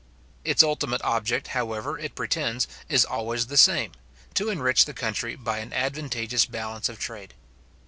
Its ultimate object, however, it pretends, is always the same, to enrich the country by an advantageous balance of trade.